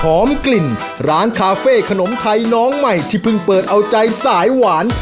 กลิ่นร้านคาเฟ่ขนมไทยน้องใหม่ที่เพิ่งเปิดเอาใจสายหวาน